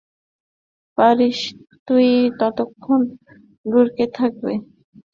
পারিস তুই অতক্ষণ ড়ুবে থাকতে?